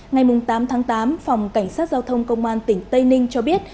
ngày tám tháng tám phòng cảnh sát giao thông công an tỉnh tây ninh cho biết